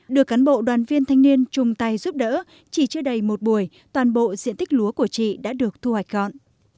được cán bộ đoàn viên thanh niên chung tay giúp đỡ chỉ chưa đầy một buổi toàn bộ diện tích lúa của chị đã được thu hoạch gọn